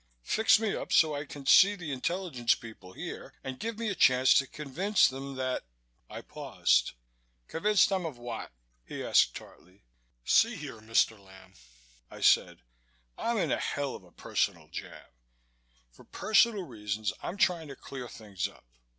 Fix me up so I can see the intelligence people here and give me a chance to convince them that " I paused. "Convince them of what?" he asked tartly. "See here, Mr. Lamb," I said. "I'm in a hell of a personal jam. For personal reasons I'm trying to clear things up.